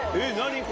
これ。